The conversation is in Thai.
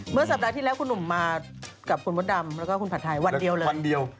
เมื่อสัปดาห์ที่แล้วคุณหนุ่มมากับคุณวัดดำแล้วก็คุณผัดทายวันเดียวเลย